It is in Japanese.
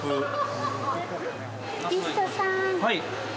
はい。